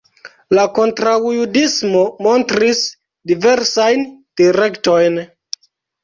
La kontraŭjudismo montris diversajn direktojn.